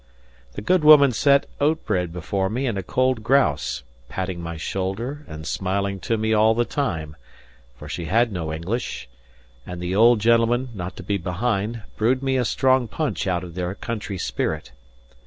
The good woman set oat bread before me and a cold grouse, patting my shoulder and smiling to me all the time, for she had no English; and the old gentleman (not to be behind) brewed me a strong punch out of their country spirit.